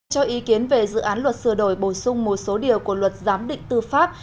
cho ý kiến về dự án luật sửa đổi bổ sung một số điều của luật giám định tư pháp